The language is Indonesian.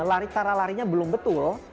istilahnya cara larinya belum betul